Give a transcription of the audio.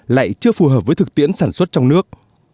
lại chưa phù hợp với thực tiễn sản xuất trong nước